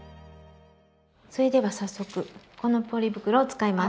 それでは早速このポリ袋を使います。